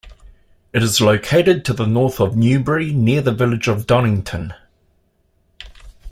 It is located to the north of Newbury, near the village of Donnington.